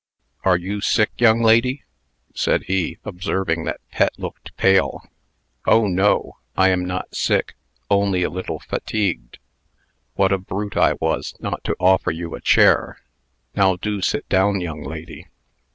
Are you sick, young lady?" said he, observing that Pet looked pale. "Oh, no; I am not sick only a little fatigued." "What a brute I was, not to offer you a chair! Now do sit down, young lady."